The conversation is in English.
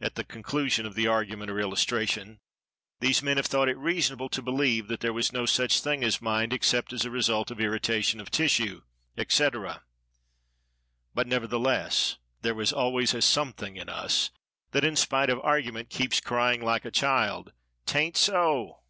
at the conclusion of the argument or illustration, these men have thought it reasonable to believe that there was no such thing as Mind, except as a result of "irritation of tissue," etc. But, nevertheless, there is always a Something in us that, in spite of argument, keeps crying like a child, "'taint so!"